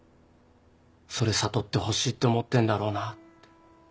それ悟ってほしいって思ってんだろうなって。